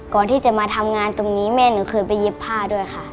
ก่อนที่จะมาทำงานตรงนี้แม่หนูเคยไปเย็บผ้าด้วยค่ะ